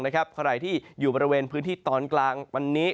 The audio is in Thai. ใครที่อยู่บริเวณพื้นที่ตอนกลางวันนี้